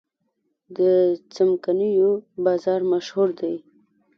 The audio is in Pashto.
د څمکنیو بازار مشهور دی